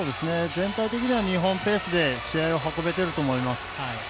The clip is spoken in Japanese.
全体的には日本ペースで試合を運べていると思います。